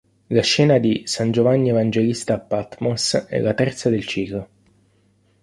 La scena di "San Giovanni Evangelista a Patmos" è la terza del ciclo.